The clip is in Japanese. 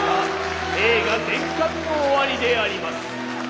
映画全巻の終わりであります。